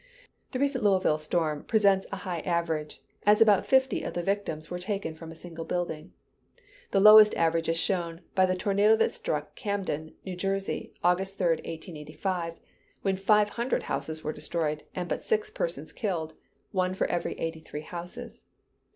The recent Louisville storm presents a high average, as about fifty of the victims were taken from a single building. The lowest average is shown by the tornado that struck Camden, New Jersey, August 3d, 1885, when five hundred houses were destroyed, and but six persons killed: one for every eighty three houses.